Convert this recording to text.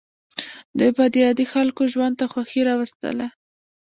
دوی به د عادي خلکو ژوند ته خوښي راوستله.